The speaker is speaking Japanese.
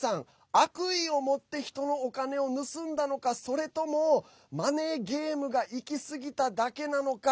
悪意を持って人のお金を盗んだのかそれともマネーゲームがいきすぎただけなのか。